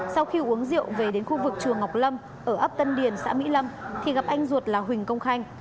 sau khi uống rượu về đến khu vực trường ngọc lâm ở ấp tân điền xã mỹ lâm thì gặp anh ruột là huỳnh công khanh